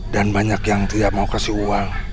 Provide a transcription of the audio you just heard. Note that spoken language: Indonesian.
dan banyak yang tidak mau kasih uang